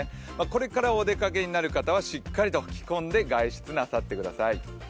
これからお出かけになる方はしっかりと着込んで外出なさってください。